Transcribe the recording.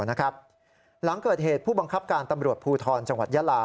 หลังเกิดเหตุผู้บังคับการตำรวจภูทรจังหวัดยาลา